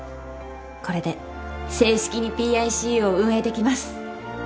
これで正式にＰＩＣＵを運営できます。